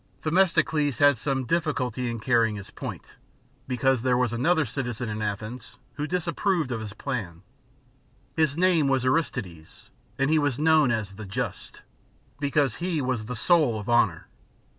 Themistocles had some difficulty in carrying his point, because there was another citizen in Athens, who disapproved of his plan. His name was Aristides, and he was known as the Just, because he was the soul of honour.